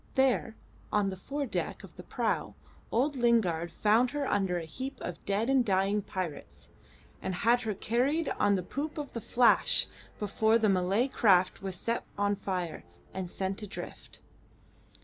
There, on the fore deck of the prau, old Lingard found her under a heap of dead and dying pirates, and had her carried on the poop of the Flash before the Malay craft was set on fire and sent adrift.